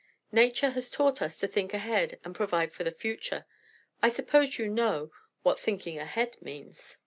Nature has taught us to think ahead and provide for the future. I suppose you know what 'thinking ahead' means?"